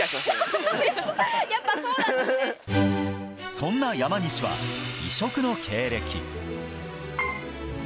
そんな山西は異色の経歴。